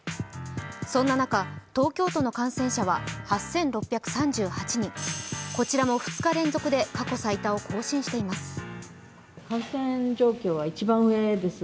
そんな中、東京都の感染者は８６３８人、こちらも２日連続で過去最多を更新しています。